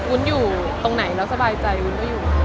วุ้นอยู่ตรงไหนแล้วสบายใจวุ้นก็อยู่